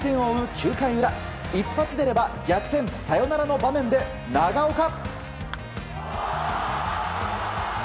９回裏一発出れば逆転サヨナラの場面で長岡。